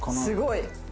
すごい。